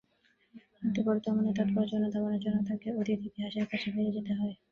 কিন্তু বর্তমানের তাৎপর্য অনুধাবনের জন্য তাকে অতীত ইতিহাসের কাছেই ফিরে যেতে হয়।